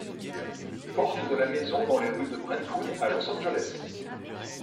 Porte de la Maison dans les rues de Brentwood, à Los Angeles.